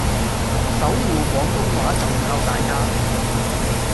守護廣東話就靠大家